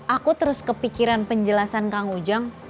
aku terus kepikiran penjelasan kang ujang